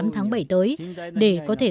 một mươi tám tháng bảy tới để có thể